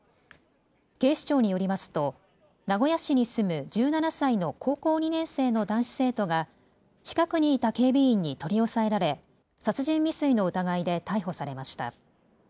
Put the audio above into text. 警視庁によりますと名古屋市に住む１７歳の高校２年生の男子生徒が近くにいた警備員に取り押さえられ殺人未遂の疑いで逮捕されました。